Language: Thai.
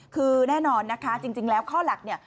คือแน่นอนนะคะจริงแล้วข้อหลักเนี่ย